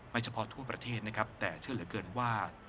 เฉพาะทั่วประเทศนะครับแต่เชื่อเหลือเกินว่า